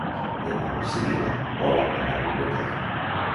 Demà na Sibil·la vol anar a la biblioteca.